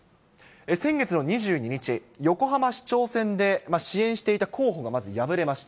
先月の２２日、横浜市長選で支援していた候補が、まず敗れました。